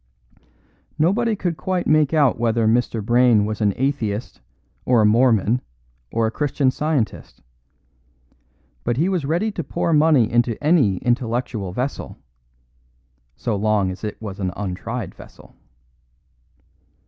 Nobody could quite make out whether Mr. Brayne was an atheist or a Mormon or a Christian Scientist; but he was ready to pour money into any intellectual vessel, so long as it was an untried vessel.